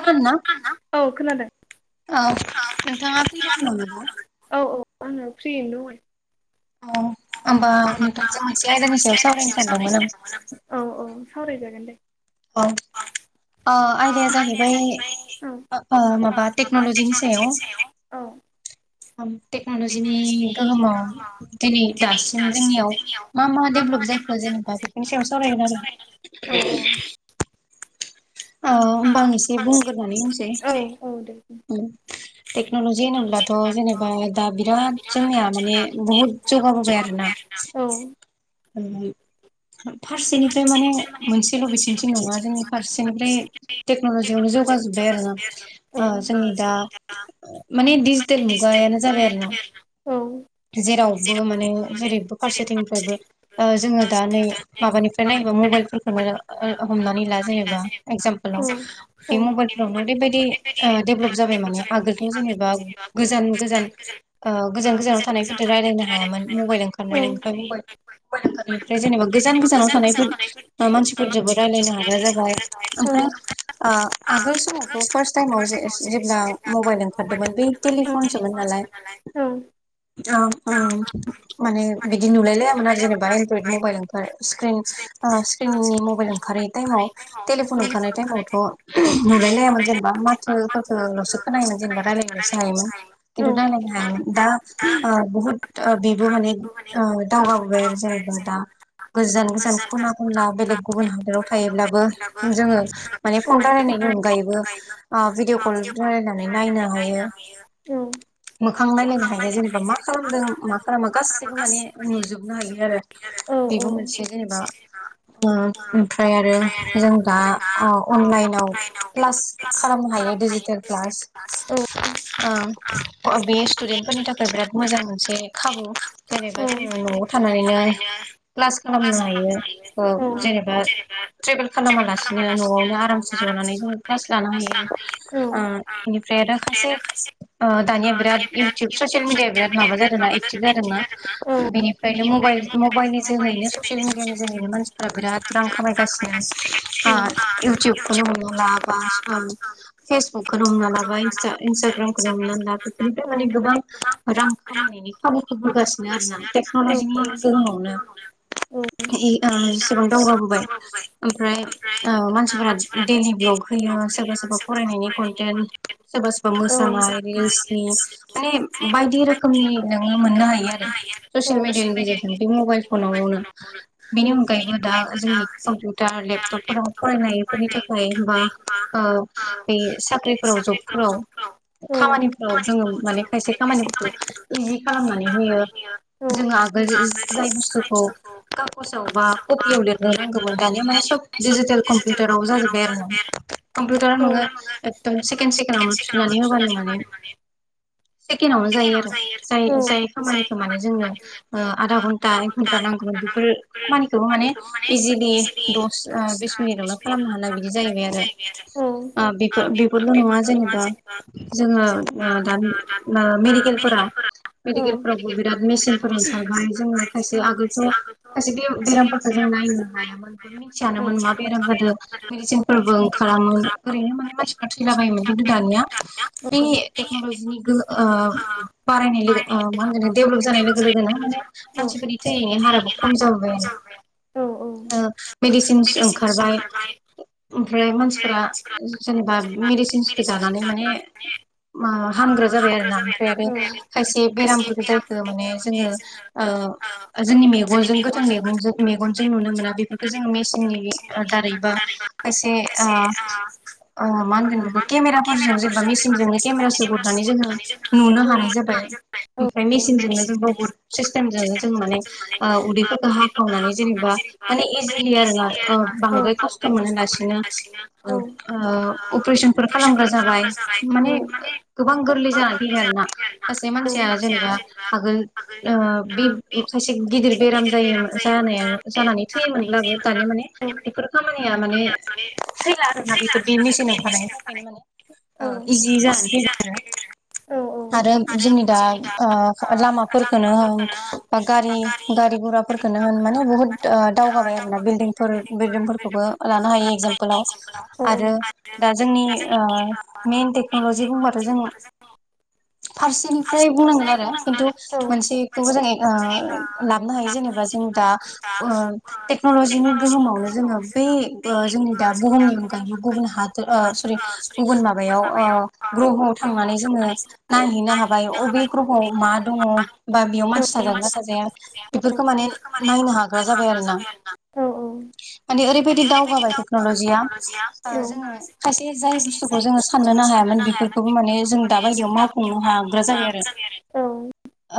खोनादोना खोनादो औ [unintelligible] औ औ मा आङो फ्रियैनो दङ औ होमबा [unintelligible] नोंथांजों मोनसे आयदानि औ सायाव सावरायनो सानदोंमोन आं औ सावरायजागोन दे औ ओ आयदाया जाहैबाय औ ओ ओ माबा टेक्नलजिनि औ सायाव टेक्नलजिनि गोहोमाव दिनै दासिम जोंनियाव मा मा डेभलप जाखो जेने बा बेफोरनि सायाव सावरायगोन आरो औ औ होम्बा आं एसे बुंग्रोनानै होनसै औ औ दे औ टेक्नलजि होनोब्लाथ जेनेबा दा बिराद जोंनिया माने बहुत जौगाबोबाय आरो ना औ [unintelligible] फारसेनिफ्राय माने मोनसेल बेथिंथिं नङा जोंनि फारसेनिफ्राय टेक्नलजियावनो जौगाजोबबाय आरो ना औ ओ जोंनि दा माने डिजिटेल मुगा औ जेरावबो माने जेरैबो फारसेथिंनिफ्रायबो ओ जोङो दा नै माबानिफ्राय नायोबा मबाइलफोरखोनो ओ हमनानै ला जेनेबा एकजामपोलाव औ बे मबाइलफ्रावनो ओरैबायदि ओ दडेभलप जाबाय माने आगोलथ जेनेबा गोजान गोजान ओ गोजान गोजानाव थानायफोरजों रायलायनो हायामोन मबाइल ओंखारनाय ओमफ्राय मबाइल फ्राय जेनेबा गोजान गोजानाव थानायफोर मानसिफोरजोंबो रायलायनो हाग्रा जाबाय ओं ओमफ्राय ओ आगोल समावथ फार्स्ट टाइमाव जे जेब्ला मबाइल ओंखारदोंमोन बे टेलिफनसोमोन नाल औ अ ओ माने बिदि नुलायलायामोन आरो जेने बा इनड्रयट मबाइल ओंखार सिक्रिन ओ सिक्किमनि मबाइल ओंखारै टाइमाव टे लिफन ओंखारनाय टाइमावथ नुलायलायामोन जेनेबा माथोफोरखोलसो खोनायोम जेनेबा रायलाय नायोमोन औ खान्थु दा नै जोंहा दा ओ बुहुत ओ बेबो माने ओ दावगा जेनेबा दा गोजान गोजान खना खनला बेलेग गुबुन हादराव थायोब्लाबो जोङो माने फन रायलायनायनि अनगायैबो ओ भिडिअ कल रायलायनानै नायनो हायो [inaudible] मोखां नायलायनो हायो जेनेबा मा खालामदों मा खालामा गासैबो माने नुजोब हमनो हायो आरो औ बेबो मोनसे जेनेबा ओ ओमफ्राय आरो जों ओ औ अनलाइनाव क्लास खालामनो हायो डिजिटेल क्लास औ ओं बे स्टुडेन्ट फोरनि थाखाय बिराद मोजां मोनसे खाबु जेनेबा जोङो नआव थानानैनो क्लास खालामनो हायो ओ क्लास जेनेबा ट्रेभेल खालामालासे बिदिनो नआवनो आरामसे जनानै जोङो क्लास लानो हायो ओ बिनिफ्राय आरो खायसे ओ दानिया बिराद इउटुब ससियेल मिडिया बिराद माबा जादोना एक्टिभ जादोंना औ बेनि फ्रायनो माइल मबाइलनि जोहैनो ससियेल मिडियानि जोहैनो मानसिफ्रा बिराद रां खामायगासिनो औ आथ इउटुुबखौनो हमना ला बा फेसबुकखनो हमना लाबाय इस्था ग्रामखौनो हमना ला बेफोरनिफ्राय माने गोबां रां खामायनायनि खाबुखौ होगासिनो आरोना टेकनलजिनि गोहोमावनो नुदों इ ओ जेसेबां दावगाबोबाय ओमफ्राय फ्राय ओ मानसिफोरा डैलि ब्लग होयो सोरबा सोरबा फरायनायनि कन्टेन्ट सोरबा सोरबा मोसानाय रिल्सनि माने बायदि रोखोमनि नोङो मोननो हायो आरो [unintelligible] ससियेल मिडियानि गेजेरजों बे मबाइल फनावनो बेनि गेजेरजों अनगायैबो दा जोंनि कम्पिउटार लेपटपफोराव फरायनायफोरनि थाखाय बा- बा बे साख्रिफोराव जबफोराव नुनो खामानिफ्राव जोङो माने खायसे खामानिफोरखो इजि खालामनानै होयो जों आगोल [unintelligible] जाय बुस्थुखौ काग'जाव बा कपियाव लिरनो नांगौमोन दानिया माने सब डिजिटेल कम्पिउटाराव जाजोब्बाय आरो कम्पिउटाराव नोङो एकदम सेकेणड सेकेण्ड आवनो थुनानै होबानो माने सेकेनावनो जायो आरो जाय-जाय खामानि माने जोंनो ओ आदा घन्टा एक घन्टा नांगौमोन बेफोर खामानिखौबो माने इजिलि द' ओ बिस मिनिटआवनो खालामनो हानाय बिदि जाहैबाय आरो ओ होनो बिफो-बिफोरल' नङा जेनेबा जोङो ओ दा ओ मेडिकेलफोराव- मेडिकेलफोराव बिराद मेसिनफोर ओंखारबाय जोङो खायसे आगोलथ' खायसे बे-बेरामफोरखौ जों नायनो हाया मोनबो मिन्थिया मोन मा बेराम जादों जादों मेदिसिनफोरबो ओंखारामोन ओरैनो माने मानसिफ्रा थैलाबायोमोन खिन्थु दानिया बे टेक्न'ल'जिनि गोहो ओ बारायनाय लोगो ओ मा होनगोन‌ डेभलप जानाय लोगो लोगोनो माने मानसिफोरनि थैनायनि हाराबो खम जाबोबाय आरो लोगोनो ओ मेडिसिन्स ओंखारबाय ओमफ्राय मानसिफोरा जेनेबा मेडिसिन्सखो जानानै माने ओ हामग्रा जाबाय आरो ना ओमफाय आरो खायसे बेरामफोरखो जाय ओ माने जोङो ओ जोंनि मेगनजों गोथां मेगनजों-मेगनजों नुनो मोना बेफोरखो जों मेचिननि ओ दारैबा खायसे ओ ओ मा होनगोन बेखौ केमेराफोरजों जेनेबा मेसिनजोंनो केमेरा सोहरनानै जोङो नुनो हानाय जाबाय ओमफाय मेसि जाबाय सिनजोंनो‌ जों [unintelligible] सिस्टेमजोनो जों माने ओ उदैफोरखौ हाखावनानै जेनेबा माने एजिलि आरोना ओ बांद्राय खस्थ' मोना लासिनो ओ औ ओ अपरेसनफोर खालामग्रा जाबाय माने गोबां गोरलै जानानै फैबाय आरोना सासे मानसिया जेनेबा आगोल ओ बे खायसे गिदिर बेराम जायोमो जानाया जानानै थैयोमोन ब्लाबो दानिया माने बेफोर खामानिया माने थैला आरोना बेफोरदि मेसिन ओंखारनायनि थाखायनो माने ओ इजि जानानै फैबाय आरो आरो जोंनि दा ओ लामाफोरखोनो होन बा गारि-गारि गुराफोरखोनो होन माने बुहुद ओ दावगाबाय आरोना बिल्डिंफोर- बिल्डिंफोरखौबो लानो हायो एकजाम्पोलाव आरो दा‌ जोंनि ओ मेन टेक्न'लजि बुंबाथ' जों [unintelligible] फारसेनिफ्राय बुंनांगोन आरो खिन्थु मोनसेखौबो जों ओ लाबनो हायो जेनेबा जों दा ओ टेक्न'लजिनि गोहोमावनो जोङो बे ओ जोंनि दा बुहुमनि अनगायैबो गुबुन हादोर ओ सरि गुबुन माबायाव ओ ग्रह'आव थांनानै जोङो नायहैनो हाबाय अबे ग्रह'आव मा दङ' बा बेयाव आरो मानसि थाजागोना थाजाया बेफोरखो माने नायनो हाग्रा जाबाय [unintelligible] माने ओरैबायदि दावगाबाय टेक्न'लजिया ओ जोङो खायसे जाय बुस्थुखौ जोङो साननोनो हायामोन बेफोरखौबो माने जों दा बायदियाव मावफुंनो हाग्रा जाबाय आरो औ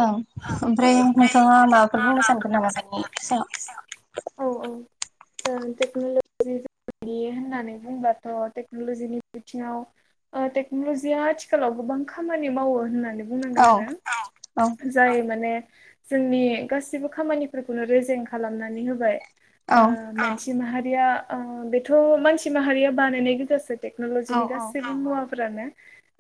ओं ओमफ्राय नोंथाङा माबाफोर बुंनो सानगोन नामा बेनि सायाव सायाव औ औ [unintelligible] बिदि होननानै बुंब्लाथ' टेक्नल'जिनि बिथिङाव ओ टेक्नल'जिया आथिखालाव [unintelligible] गोबां खामानि मावो होननानै औ बुंनांगोन आरो औ जाय माने जोंनि गासिबो खामानिफोरखौनो रेजें खालामनानै होबाय ओ औ [unintelligible] [unintelligible] माहारिया ओ बेथ' मानसि माहारिया बानायनाय गोजासो औ टेक्न'लजिनि औ गासिबो मुवा [unintelligible] फोरानो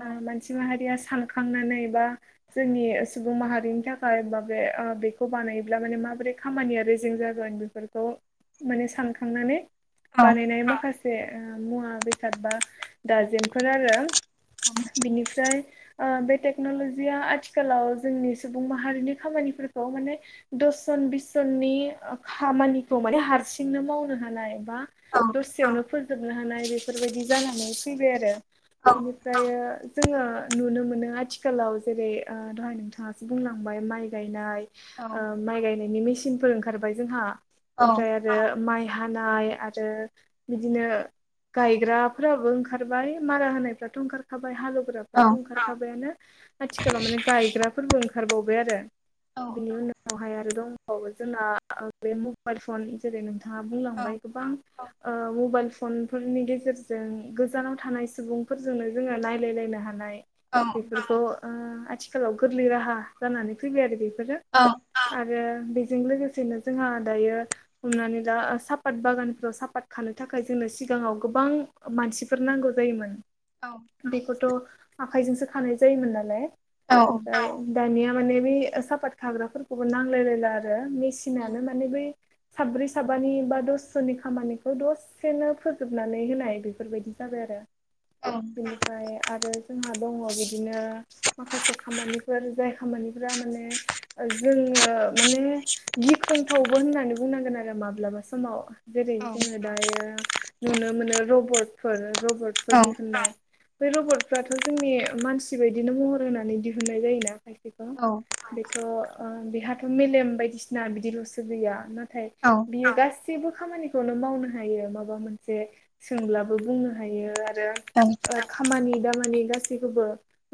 औ ओ मानसि माहारियास सानखांनानै बा जोंनि सुबुं माहारिनि थाखाय बा बे ओ बेखौ बानायोब्ला माने मा माबोरै खामानिया रेजें जागोन बेफोरखौ माने सानखांनानै औ बानायनाय माखासे मुवा बेसाद बा दाजेमफोर आरो बिनिफ्राय ओ बे टेक्न'लजिया आथिखालाव जोंनि सुबुं माहारिनि खामानिफोरखौ माने दस जन बिस जननि ओ खामानिखौ माने हारसिंनो मावनो हानाय बा औ दसेयावनो फोजोबनो हानाय बेफोरबायदि जानानै फैबाय आरो बिनिफ्राय जोङो नुनो मोनो आथिखालाव जेरै ओ दहाय नोंथाङासो बुंलांबाय माइ गायनाय औ ओ माइ गायनायनि मेसिनफोर ओंखारबाय जोंहा औ औ ओमफ्राय आरो माइ हानाय आरो बिदिनो गायग्राफोराबो ओंखारबाय मारा होनायफ्राथ' ओंखारखा बाय हालौग्राफ्राथ' ओंखारखाबायानो आथिलाव माने गायग्रा फोरबो ओंखारबावबाय आरो औ बिनि उननावहाय आरो दंबावो जोंना बे मबाइल फननि जेरै नोंथाङा औ बुंलांबाय गोबां ओ मबाइल फनफोरनि गेजेरजों गोजानाव थानाय सुबुंफोरजोंनो जोङो नायलायलायनो हानाय औ बेफोरखौ ओ आथिखालाव गोरलै राहा जानानै फैबाय आरो बेफोर औ आरो बेजों लोगोसे नो जोंहा दायो हमनानै ला साफात बागानफ्राव साफात खानो थाखाय जोंनो सिगाङाव गो बां मानसिफोर नांगौ जायोमोन बेखौथ' आखायजोंसो खानाय जायोमोन नालाय औ ओमफ्राय दानिया माने बे साफात खाग्राफोरखौबो नांलायलायला आरो मेसिनानो माने बै साब्रै साबानि बा दस्स'नि खामानिखौ दसेनो फोजोबनानै होनाय बेफोरबायदि जाबाय आरो बेनिफ्राय आरो जोंहा दङ बिदिनो माखासे खामानिफोर जाय खामानिफोरा माने जोङो ओ माने गिख्रंथावबो होननानै बुंनांगोन आरो माब्लाबा समाव जेरै जोङो दायो नुनो मोनो रबटफोर रबटफोर दिहुननाय बे रबटफ्राथ' जोंनि मानसि बायदिनो महर होनानै दिहुननाय जायो ना बेखौ बेथ' ओ बेहाथ' मेलेम बायदिसिना बिदिल'सो गैया औ नंगौ औ बियो गासै बो खामानिखौनो मावनो हायो माबा मोनसे सोंब्लाबो बुंनो हायो आरो खामानि दामानि गासैखौबो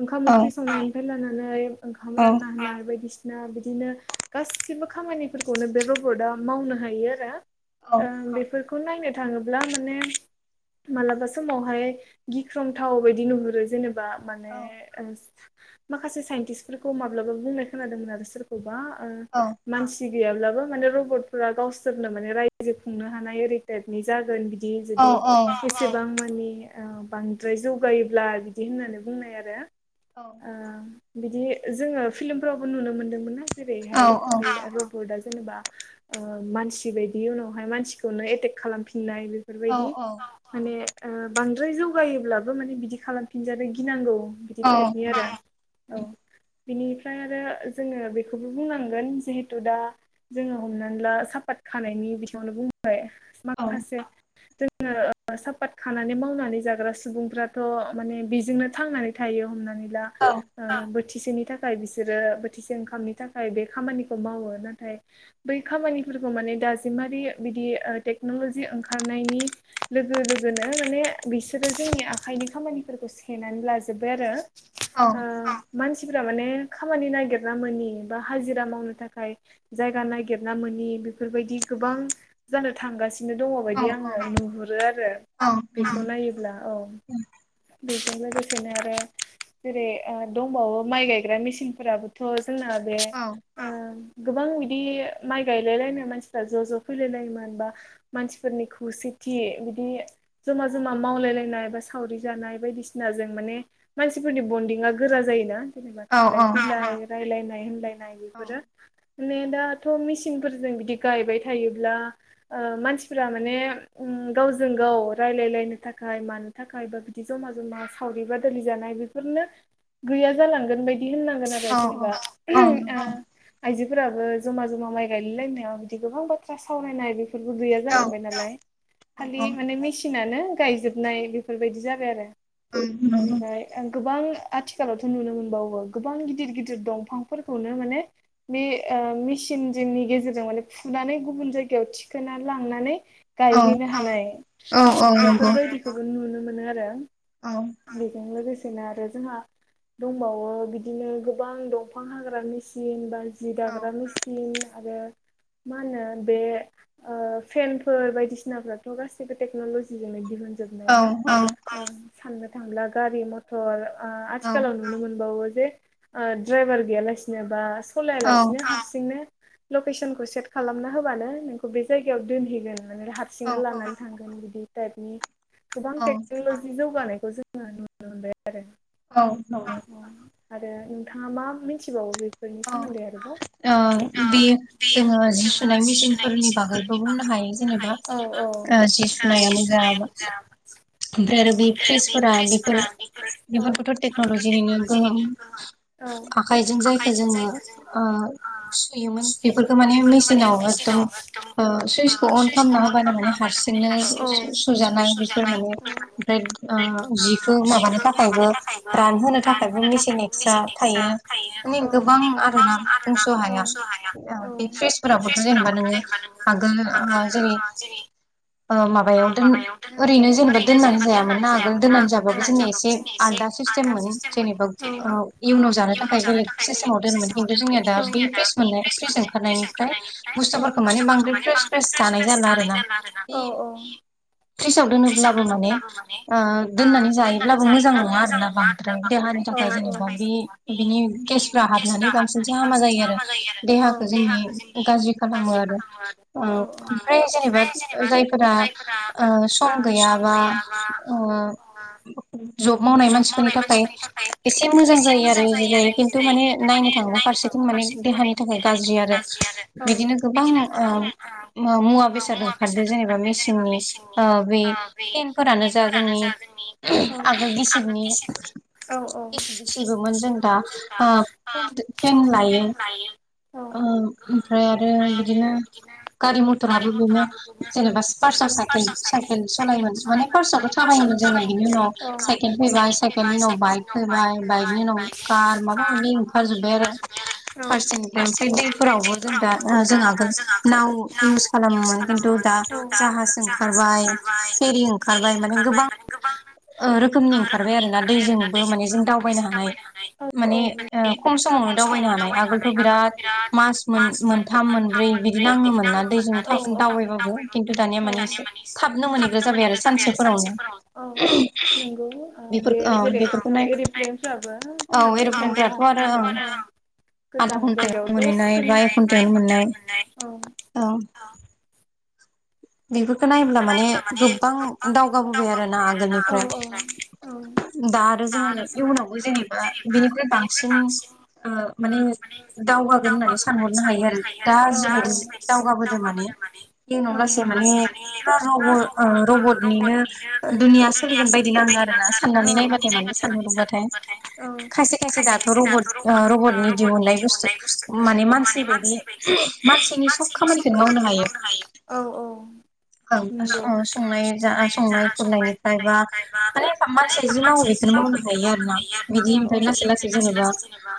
ओंखाम ओंख्रि संनायनिनायनिफ्राय लानानै ओंखाम रानना हनाय बायदिसिना बिदिनो गासिबो खामानिफोरखौनो बेगभदआ मावनो हायो आरो ओ बेफोरखौ खौ नायनो थाङोब्ला माने मालाबा समावहाय गिख्रंथाव बायदि नुहुरो जेनेबा माने माखासे साइन्टिस्टफोरखौ माब्लाबा बुंनाय खोनादोंमोन आरो सोरखौबा ओ मानसि गैयाब्लाबो माने रबटफोरा गावसोरनो माने रायजो खुंनो हानाय ओरै टाइपनि जागोन जुदि नंगौ एसेबां मानि बांद्राय जौगायोब्ला बिदि होननानै बुंनाय आरो बिदि जोङो फिलमफोरावबो नुनो मोन्दोंमोन जेरैहाय बे रबट जेनेबा ओ मानसि बायदि उनावहाय मानसिखौनो एटेक खालामफिननाय बेफोरबायदि माने ओ बांद्राय जौगायोब्लाबो माने बिदि खालामफिनजानो‌ गिनांगौ बिदि टाइपनि आरो औ बिनिफ्राय आरो जोङो बेखौबो बुंनांगोन जिहेथु दा जोङो हमनानै ला सापात खानायनि बिथिंवनो बुंबाय माख-खासे [inaudible] साफात खानानै मावनानै जाग्रा सुबुंफ्राथ' माने बेजोंनो थांनानै थायो हमनानै ओ बोथिसेनि थाखाय बिसोरो बोथिसे ओंखामनि थाखाय बे खामानि मावो नाथाय बै खामानिफोरखौ माने दाजमारि बिदि टेकनलजि ओंखार नायनि लोगो लोगोनो माने बिसोरो जोंनि आखाइनि खामानिफोरखौ सेननानै लाजोबबाय आरो औ ओ मानसिफोरा माने खामानि नागिरना मोनि बा हाजिरा मावनो थाखाय जायगा नागिरना मोनि बेफोरबायदि गोबां जानो थांगासिनो दङ बायदि आङो नुहुरो आरो बेखौ नायोब्ला औ बेजों लोगोसेनो आरो जेरै ओ दंबावो माइ गायग्रा मेसिनफोराबोथ' जोंना बे ओ गोबां बिदि माइ गायलायलायनाय मानसिफ्रा ज' ज' फैलायलायोमोन बा मानसिफोरनि खौसेथि बिदि जमा जमा मावलायलायनाय बा सावरि जानाय बायदिसिनाजों माने मानसिफोरनि बन्दिंआ गोरा जायोना। जेनेबा थांलाय औ औ फैलाय रायलायनाय होनलायनाय औ बेफोरो माने दाथ' मिसिनफोरजों बिदि गायबाय थायोब्ला ओ मानसिफोरा माने ओम गावजों गाव रायलायलायनो थाखाय मानो थाखाय बा बिदि जमा जमा सावरि बादालि जानाय बे फोरनो गैया जालांगोन बायदि होननांगोन आरो औ औ जेनेबा औ ओ नंगौ आइजोफोराबो जमा जमा माइ गायलायलायनायाव बिदि गोबां बाथ्रा सावरायनाय बे फोरबो गैया जालांबाय औ नालाय खालि औ औ माने मिसि नानो गायजोबनाय बिफोरबायदि जाबाय आरो औ नंगौ बिनिफ्राय आं गोबां आथिखालावथ' नुनो मोनबावो गोबां गिदिर गिदिर दंफांफोरखौनो माने बे ओ मिसिनजोंनि गेजेरजों माने फुनानै गुबुन जायगायाव थिखोना लांनानै औ गायहैनो हानाय औ बिफोरबायदिखौबो नुनो मोनो आरो। औ [unintelligible] थिंना आरो जोंहा दंबावो बिदिनो गोबां दंफां हाग्रा मिसिन बा जि औ दाग्रा मिसिन आरो मा होनो बे ओ फेनफोर बायदिसिनाफ्राथ' गासिबो टेक्न'ल'जिजोंनो दिहुन जोबनाया औ औ साननो थांब्ला गारि मथर ओ आथिखालाव नुनो मोनबावो बे ओ द्राइभार गैयालासिनो बा सलायालासिनो। औ हारसिंनो लकेसनखौ सेट खालामना होबानो नोंखौ बे जायगायाव दोनहैगोन हारसि लानानै थांगोन बिदि थाइपनि गोबां टेकनलजि जौगानाय खौ जों नुनो मोनबाय आरो औ नंगौ। आरो नोंथाङा मा मिथिबावो बेफोरनि औ सोमोन्दै आरोबाव ओ बे जोङो जि सुनाय मिसिनफोरनि बागैबो बुंनो हायो जेनेबा ओ जि सुनायानो जा बा ओमफ्राय आरो बे फ्रिजफोरा बिफोर बिफोरखौथ' टेक्नलजिनिनो गोहोम आखाइजों जायखो जोङो ओ सुयोमोन बिफोरखो माने मेसिनाव एकदम ओ सुइसखो अन खामना होबानो माने हार सिंनो सु-सु-सुजानाय बिफोर माने ओमफ्राय ओ जिखौ माबानो थाखायबो रानहोनो थाखायबो मिसिन एक्सट्रा थायो माने गोबां आरोना बुंस' हाया बे फ्रिसफोरावथ' जेनेबा नोङो आगोल ओ ओ जेरै ओ माबायाव दोन ओरैनो जेनेबा दोननानै जायामोन ना आगोल दोननानै जाबाबो जोंनिया एसे आलदा आ सिस्टेमोन जेनेबा ओ इउनाव जानो थाखाय बेलेक सिस्टेमाव दोनमोन खिन्तु जोंनिया दा बे फ्रिस मोन्नाय फ्रिस ओंखारनायनिफ्राय बुस्थु फोरफोरखो माने बांद्राय फ्रेस फ्रेस फ्रेस जानाय जाला आरो ना औ औ। फ्रिजाव दोनोब्लाबो माने ओ दोननानै जायोब्लाबो मोजां नङा आरोना बांद्राय देहा नि थाखाय जेनेबा बि बिनि गेस्फ्रा हाबनानै बांसिनसो हामा जायो आरो देहाखो जोंनि गाज्रि खालामो आरो ओ ओमफ्राय जेनेबा जायफोरा ओ सम गैया बा ओ जब मावनाय मानसिफोरनि थाखाय एसे मोजां जायो आरो बिदि जायो खिन नथु माने नायनो थाङोब्ला फारसेथिं माने देहानि थाखाय गाज्रि आरो बिदिनो गोबां ओ मुवा बेसाद ओंखारदो जेनेबा मिसिननि ओ बे फेनफोरानो जा जोंनि आगोल गिसिबनि गिसिबदो सिबोमोन जों दा ओ फेन दो फेन लायो। ओ ओमफ्राय आरो बिदिनो गारि मथराबो बेनो जेनेबा स्पार्- साइकेल साइकेल सलायोन माने फार्स्आवथ' थाबायोमोन जोङो बिनि उनाव साइकेल फैबाय साइकेलनिनाव बाइक फैबाय बाइक निनाव कार माबा बि ओंखार जोबबाय आरो उनाव फारसेनिफ्राय ओमफ्राय दैफोरावबो जों दा ओ आगोल नाव खालामोन खिन्थु दा जाहाज ओंखारबाय फेरि ओंखारबाय माने गोबां रोखोमनि ओंखारबाय आरोना दैजोंबो माने जों दावबायनो हानाय माने खम समावनो दावबायनो हानाय आगोलथ' बिराद मास मोनथाम मोनब्रै बिदि नाङोमोन ना दैजों दावबायबाबो खिन्थु दानिया माने एसे थाबनो मोनहैग्रा जाबाय आरो सानसेफोरावनो औ नों। बेफोर औ जेरै बेफोरखौ नाय एरिप्लेनाबो औ जोंना एर'प्लेनफोराथ' बे आरो ओं रोखोम आधा ज घन्टायावनो [inaudible] मोनहैनाय बा एक गोजान घन्टायावनो मोननाय जायगायाव औ दसे [inaudible] बेफोरखौ नायोब्ला माने गोबां दावगाबोबाय आरो ना आगोलनिफ्राय दा आरो जोङो इयुनावबो जेनेबा बिनिख्रुय बांसिन माने दावगागोन होननानै सानहरनो हायो आरो दा जिबायदि दावगाबोदों माने बेनि इउनावलासे फुरा रब रबटनिनो दुनिया सोलिगोन बायदि नाङो आरोना साननानै नायबाथाय? माने सानहरबाथाय। खायसे खायसे दाथ' रबट रबटनि दिहुननाय बुस्थु माने मानसि बायदि मानसिनि सब खामानिखौनो मावनो हायो । औ संनाय जा संनाय खुरनायनिफ्राय बा माने मानसिया मफ जि मावो मानसि बेखौनो [inaudible] बिदि मावो बेफोर आरो मावनो ना हायो बिदि आरो ओमफ्राय बिदिओमफ्राय लासै लासै जेनेबा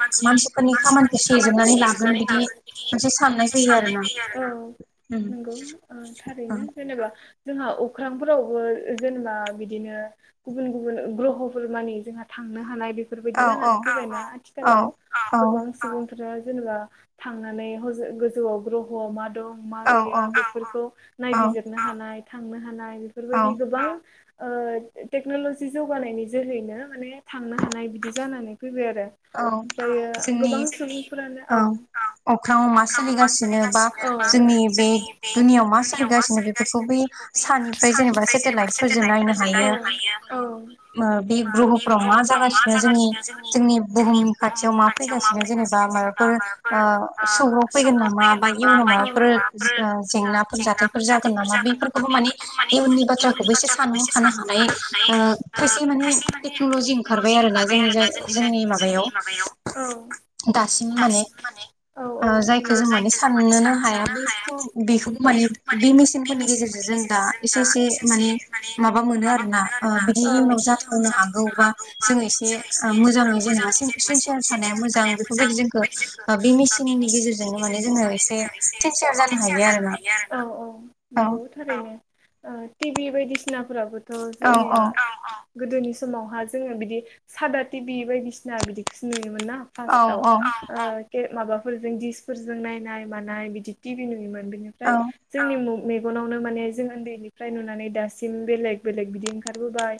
मा मानसिफोरनि [inaudible] खामानिखौ सेजोबनानै लागोन बिदि मोनसे साननाय फैयो आरो उम नंगौ [inaudible] थारैनो जेनेबा! जोंहा अख्रांफोरावबो जेनेबा बिदिनो गुबुन गुबुन ग्रह'फोर मानि जोंहा थांनो हानाय बेफोरबायदि औ औ जानानै फैबायना औ आथिालाव? औ गोबां सुबुं फ्रा जेनेबा थांनानै हजों गोजौआव ग्रह'आव मा दं मा गैया? बेफोरखौ औ नायबिजिरनो हानाय थांनो हानाय औ बेफोरबायदि गोबां टेक्न'लजि जौगानायनि जोहैनो माने थांनो हानाय बिदि जानानै फैबाय आरो औ ओमफ्रायो जोंनि गोबां सुबुंफोरानो औ। अख्राङाव मा सोलिगासिनो बा जोंनि बे दुनियाव मा सोलिगासिनो बेफोरखौ बै साननिफ्राय जेनेबा सेटेलाइट फोरजों नायनो हायो। बे ग्रहफोराव मा जागासिनो जोंनि जोंनि बुहुमनि खाथियाव मा फैगासिनो जेनेबा माबाफोर सौग्राव फैगोन नामा? बायदि! सिना जेंनाफोर जाथायफोर जागोन नामा? बेफोरखौबो माने इयुननि बाथ्राखौबो एसे सानहरखानो हानाय, खायसे माने टेक्नलजि ओंखारबाय आरोना जोंनि जोंनि माबायाव ।औ दासिमबो माने औ औ जायखौ जों माने साननोनो हायाखै बे माने बे मेसिनफोरनि गेजेरजों जों दा एसे एसे माने माबा मोनो आरो ना बिदि जाथावनो हागौबा बिदिजों एसे मोजां जेनेबा सेनसियार थानाया मोजां बेफोरबायदि जोंखौ बे मेसिननि गेजेरजोंनो माने ज जे सेनसेयार जानो औ औ औ नंगौ थारैनो टिभि बायदिसिनाफोराबो थ' औ जोंनिया औ गोदोनि समावहा जोङो बिदि सादा टिभि बायदिसिना बिदिखौ नुनो मोनो, ना औ औ फारसथाव' माबाफोरजों दिसफोरजों नायनाय मानाय बिदि टिभि नुयोमोन बिनिफ्राय औ जोंनि म मेगनावनो माने जों ओन्दैनिफ्राय नुनानै दासिम बेलेग बेलेग बिदि ओंखारबोबाय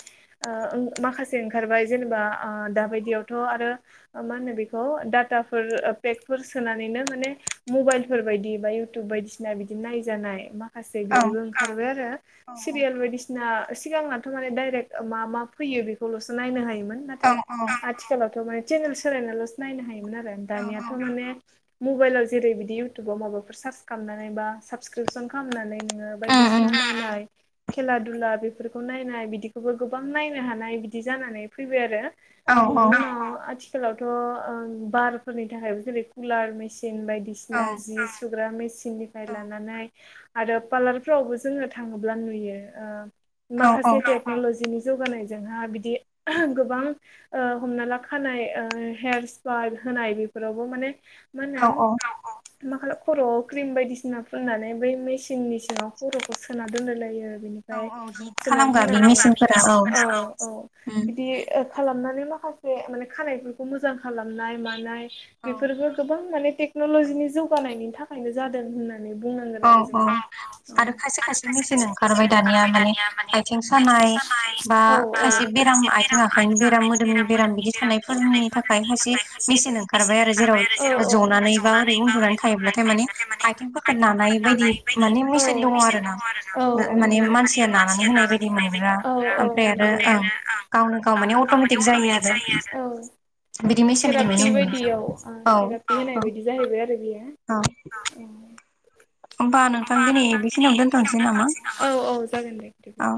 ओ माखासे ओंखारबाय जेनेबा ओ दाबायदियावथ' आरो मा होनो बेखौ डाटाफोर पेकफोर सोनानैनो माने मबाइलफोर बायदि बा इउटुब बायदि बायदिसिना बिदि नायजानाय माखासे औ बिदिबो ओंखारबाय आरो औ सिरियाल बायदिसिना सिगांनाथ' माने डाइरेक मा मा फैयो बेखौल'सो नायनो हायोमोन औ नाथाय आथिखालावथ' माने चेनेल सोलायनाल'सो नायनो हायोमोन आरो औ दानियाथ' औ माने मबाइलाव जेरै बिदि इउटुबाव माबाफोर सार्च खालामनानै बा साबसक्रिपसन खालामनानै उम बायदिसिना उम मालाय खेला दुला बेफोरखौ नायनाय बिदिखौबो गोबां नायनो हानाय बिदि जानानै फैबाय आरो। औ औ बेनि उनाव आथिखालावथ' बारफोरनि थाखायबो जेरै कुलार मेचिन मेचिन बायदिसिना जि सुग्रा मेचिननिफ्राय लानानै आरो पार्लारफ्रावबो जोङो थाङोब्ला नुयो ओ औ माखासे टेक्नलजिनि जौगानायजोंहा बिदि गोबां ओ हमना ला खानाय ओ हेयार स्पा होनाय बेफोरावबो माने मा औ होनो मा खालाम खर'इव क्रिम बायदिसिना ना फुननानै बै मेसिननि सिङाव खर'खौ सोना दोनलाय लायो औ बिनिफ्राय औ हिट सोना खालामग्रा बे मेसिनफोरा दोननानै औ औ उम बिदि खालामनानै माखासे माने खानायफोरखौ मोजां खालामनाय मानाय औ बेफोरबो गोबां माने टेक्न'ल'जिनि जौगानायनि थाखायनो जादों होननाय औ आरो बुंनांगोन खायसे खायसे मेचिन ओंखारबाय दानिया माने आरो आथिं सानाय बा जों खायसे बेराम आथिं आखाइनि बेराम मोदोमनि औ बेराम बिदि थानायफोरनि थाखाय खायसे औ मेचिन ओंखारबाय आरो जेराव जनानै बा औ ओरै उन्दुनानै थायोब्लाथाय माने औ आथिंफोरखौ नानाय बायदि औ माने मेचिन औ दङ आरो ना नंगौ माने औ मानसिया नानानै औ होनाय बायदि मोनग्रा नंगौ ओमफ्राय आरो औ ओं बे गावनो गाव माने थेरापि अट'मेटिक जायो आरो बायदियाव थेरापि बिदि होनाय मेचिनबो नुनो मोनो बायदि औ जाहैबाय औ आरो औ बेयो औ होमबा नोंथां दिनै बेखिनियावनो दोनथ'नोसै नामा औ औ जागोन दे। औ